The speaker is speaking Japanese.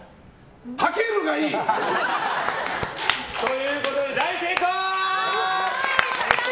はけるがいい！ということで大成功！